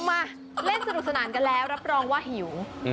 มาเล่นสนุกสนานกันแล้วรับรองว่าหิว